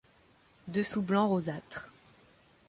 Dessous blanc rosâtre.